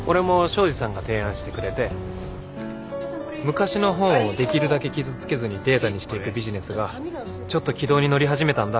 昔の本をできるだけ傷つけずにデータにしていくビジネスがちょっと軌道に乗り始めたんだ。